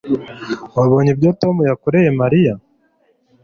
Wabonye ibyo Tom yakoreye Mariya